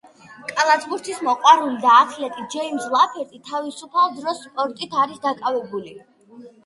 კალათბურთის მოყვარული და ათლეტი, ჯეიმზ ლაფერტი თავისუფალ დროს სპორტით არის დაკავებული.